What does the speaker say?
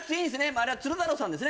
あれは鶴太郎さんですね